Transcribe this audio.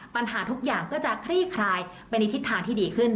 ปัญหาทุกอย่างก็จะคลี่คลายไปในทิศทางที่ดีขึ้น